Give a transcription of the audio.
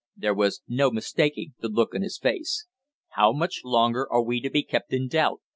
There was no mistaking the look on his face. "How much longer are we to be kept in doubt?"